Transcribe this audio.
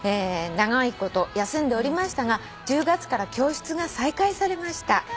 「長いこと休んでおりましたが１０月から教室が再開されました」